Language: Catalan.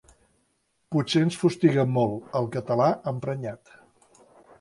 Potser ens fustiguem molt, el català emprenyat.